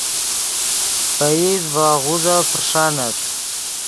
پئیز ڤے آغوزف پرݰانت